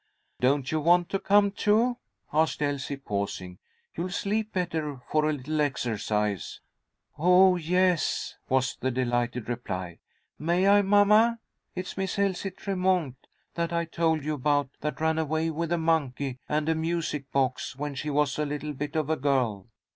"Don't you want to come too?" asked Elsie, pausing. "You'll sleep better for a little exercise." "Oh, yes!" was the delighted reply. "May I, mamma? It's Miss Elsie Tremont, that I told you about, that ran away with a monkey and a music box when she was a little bit of a girl."